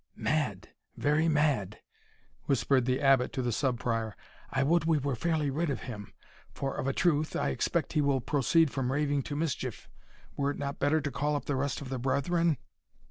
"Mad, very mad," whispered the Abbot to the Sub Prior; "I would we were fairly rid of him; for, of a truth, I expect he will proceed from raving to mischief Were it not better to call up the rest of the brethren?"